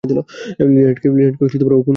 লিনেটকে ও খুন করেছে?